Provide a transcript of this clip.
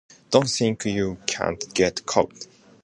Don't think you can't get caught.